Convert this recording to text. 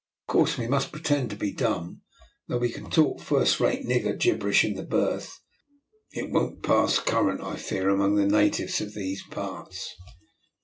Of course we must pretend to be dumb: though we can talk first rate nigger gibberish in the berth, it won't pass current, I fear, among the natives of these parts."